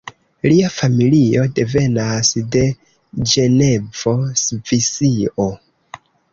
Lia familio devenas de Ĝenevo, Svisio.